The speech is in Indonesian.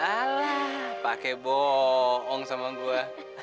alah pake bohong sama gua